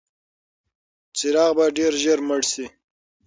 څراغ به ډېر ژر مړ شي.